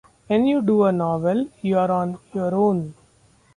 When you do a novel you're on your own.